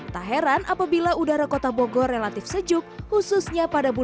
tak heran apabila udara kota bogor relatif sejuk khususnya pada bulan